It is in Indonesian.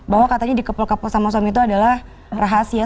bahwa katanya di kepal kepal sama suami itu adalah rahasia